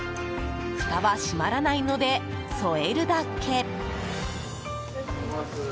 ふたは閉まらないので添えるだけ。